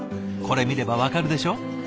これ見れば分かるでしょう？